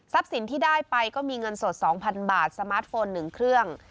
สินที่ได้ไปก็มีเงินสด๒๐๐๐บาทสมาร์ทโฟน๑เครื่อง